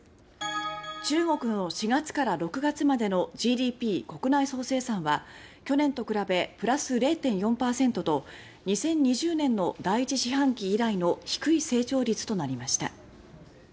中国の４月から６月までのＧＤＰ・国内総生産は去年と比べプラス０．４％と２０２０年の第１四半期以来の低い成長率となりました。